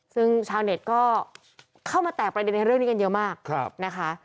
ซึ่งชาวเน็ตก็เข้ามาแตกประเด็นในเรื่องนี้กันเยอะมากนะคะ